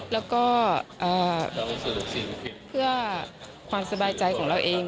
แล้วก็เพื่อความสบายใจของเราเอง